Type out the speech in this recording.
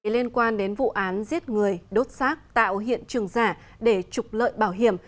liên quan đến vụ án giết người đốt xác tạo hiện trường giả để trục lợi bảo hiểm